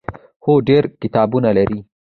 هو، ډیر کتابونه لري